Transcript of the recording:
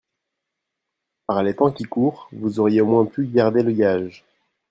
Par les temps qui courent, vous auriez au moins pu garder le gage